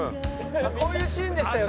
「こういうシーンでしたよ確か」